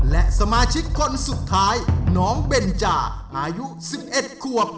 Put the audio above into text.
และสมาชิกคนสุดท้ายน้องเบนจาอายุ๑๑ขวบ